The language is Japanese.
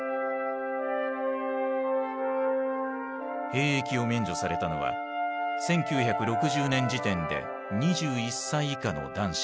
兵役を免除されたのは１９６０年時点で２１歳以下の男子だった。